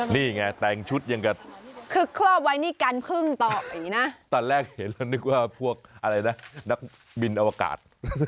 นี่ไงแต่งชุดอย่างกับคือเคลือบไว้นี่กันพึ่งตอบอย่างนี้นะตอนแรกเห็นแล้วนึกว่าพวกอะไรนะนักบินอวกาศ